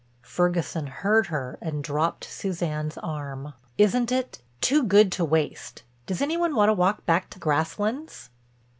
Ferguson heard her and dropped Suzanne's arm. "Isn't it? Too good to waste. Does any one want to walk back to Grasslands?"